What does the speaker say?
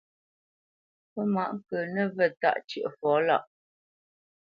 Pə́ mǎʼ ŋkə̌ nəvə̂ tâʼ cə̂ʼfɔ lâʼ.